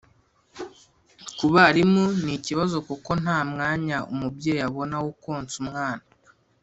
ku barimu ni ikibazo kuko nta mwanya umubyeyi abona wo konsa umwana